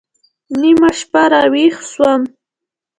نيمه شپه راويښ سوم.